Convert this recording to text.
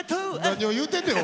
何を言うてんねん！